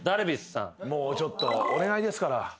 もうちょっとお願いですから。